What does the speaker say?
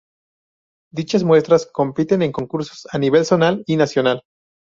Dichas muestras compiten en concursos a nivel zonal y nacional.